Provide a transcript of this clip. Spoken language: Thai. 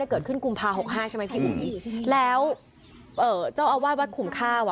เกิดขึ้นกุมภาค๖๕ใช่ไหมพี่อุ๋ยแล้วเจ้าอาวาทวัดขุมค่าวะ